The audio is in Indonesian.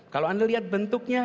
kalau anda lihat bentuknya